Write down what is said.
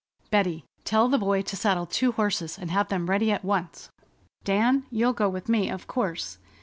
"Betty, tell the boy to saddle two horses and have them ready at once. Dan, you'll go with me, of course....